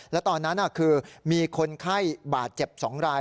แล้วตอนนั้นคือมีคนไข้บาดเจ็บ๒ราย